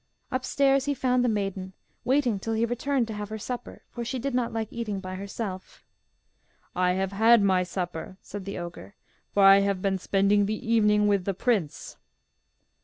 Upstairs he found the maiden, waiting till he returned to have her supper, for she did not like eating by herself. 'I have had my supper,' said the ogre, 'for I have been spending the evening with the prince.